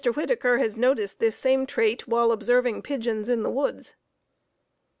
Whittaker has noticed this same trait while observing pigeons in the woods.